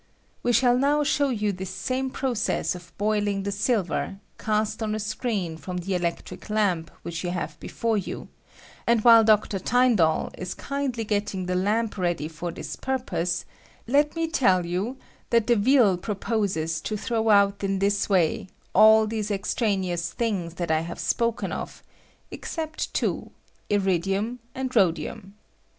We shall now show you this same process of boiling the sil ver, cast on a screen from the electric lamp which you have before you; and while Dr. Tyndall is kindly getting the lamp ready for this purpose, let me tell you that Deville pro poses to throw out in this way all these extra neous things that I have spoken oi^ except two, namely, iridium and rhodium.